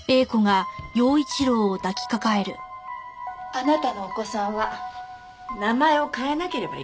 あなたのお子さんは名前を変えなければいけないわね。